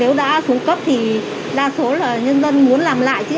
nếu đã xuống cấp thì đa số là nhân dân muốn làm lại cho họ